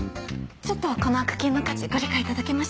ちょっとはこのアクキーの価値ご理解頂けました？